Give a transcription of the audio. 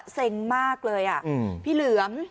เซ็งมากเลยพี่เหลือม